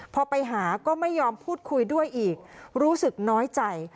พอไปหาก็ไม่ยอมพูดคุยด้วยอีกรู้สึกน้อยใจ